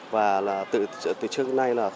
và từ trước đến nay